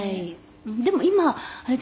でも今あれですよ。